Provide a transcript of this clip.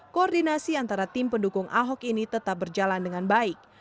koordinasi antara tim pendukung ahok ini tetap berjalan dengan baik